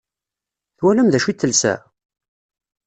Twalam d acu i telsa?